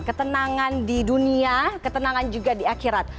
ketenangan di dunia ketenangan juga di akhirat